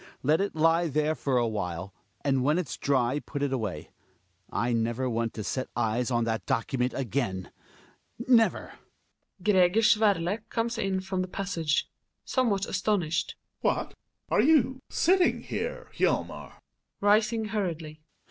Let it li^ there for a while. And when it's dry put it awayo I never want to set eyes on that document again. Never ] Gregers Werle comes %n from the passage, Gregbbs (somewhat astonished). What* are you sitting here, Hjalmar? Hjalmar (rising hurriedly).